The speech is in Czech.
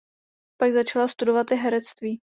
Pak začala studovat i herectví.